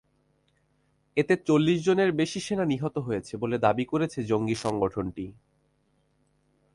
এতে চল্লিশজনের বেশি সেনা নিহত হয়েছে বলে দাবি করেছে জঙ্গি সংগঠনটি।